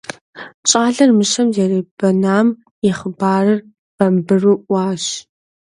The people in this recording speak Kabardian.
ЩӀалэр мыщэм зэребэнам и хъыбарыр бамбыру Ӏуащ.